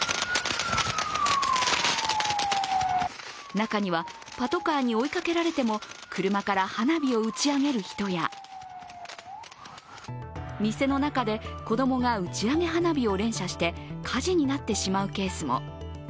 中にはパトカーに追いかけられても車から花火を打ち上げる人や店の中で子供が打ち上げ花火を連射して火事になってしまうケースも。